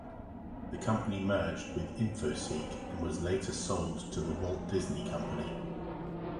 The company merged with Infoseek and was later sold to The Walt Disney Company.